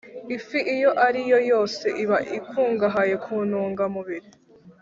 Ifi iyo ari yo yose iba ikungahaye ku ntungamubiri,